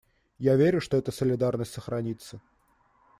Я верю, что эта солидарность сохранится.